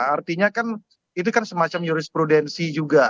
artinya kan itu kan semacam jurisprudensi juga